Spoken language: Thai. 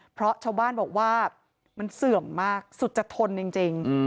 เพราะชาวบ้านบอกว่ามันเสื่อมมากสุดจะทนจริง